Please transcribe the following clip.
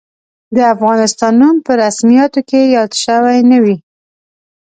د افغانستان نوم په رسمیاتو کې یاد شوی نه وي.